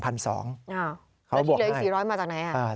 เขาบวกให้แล้วที่เดี๋ยวอีก๔๐๐มาจากไหน